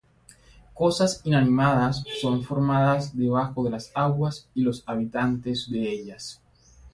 Cosas inanimadas son formadas Debajo de las aguas, y los habitantes de ellas.